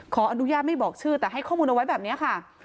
ขออนุญาตไม่บอกชื่อแต่ให้ข้อมูลเอาไว้แบบนี้ค่ะ